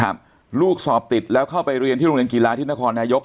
ลูกสอบติดแล้วเข้าไปเรียนที่โรงเรียนกีฬาที่นครนายก